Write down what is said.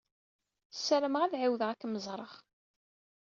Sarameɣ ad ɛiwdeɣ ad kem-ẓṛeɣ.